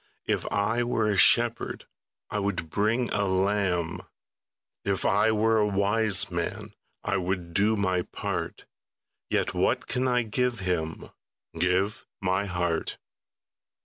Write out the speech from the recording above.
If I were a shepherd, I would bring a lamb; If I were a wise man, I would do my part: Yet what I can I give Him, Give my heart.